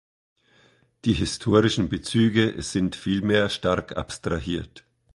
Die historischen Bezüge sind vielmehr stark abstrahiert.